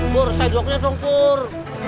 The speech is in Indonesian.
pur sedoknya dong pur